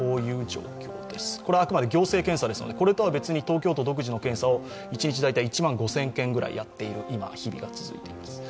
これはあくまで行政検査ですので、これとは別に東京都独自の検査を一日大体、１万５０００件くらいやっている日が続いています。